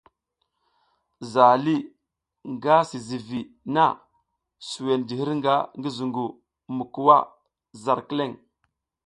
Zaha lih nga si zǝgwi na zuwen ji hirnga ngi zungu mi kuwa zar kileŋ.